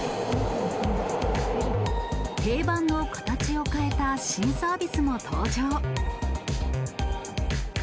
定番の形を変えた新サービスも登場。